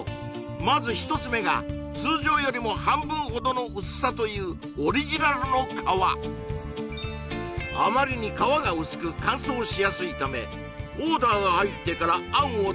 まず１つ目が通常よりも半分ほどの薄さというオリジナルの皮あまりに皮が薄く乾燥しやすいためオーダーが入ってから餡を手包み